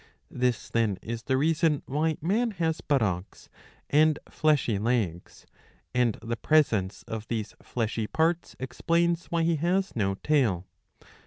This, then, is the reason why man has buttocks and fleshy legs; and the presence of these fleshy parts explains why he has no tail.